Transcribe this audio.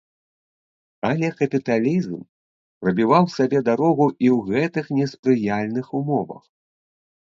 Але капіталізм прабіваў сабе дарогу і ў гэтых неспрыяльных умовах.